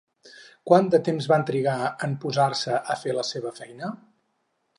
Quant de temps van trigar en posar-se a fer la seva feina?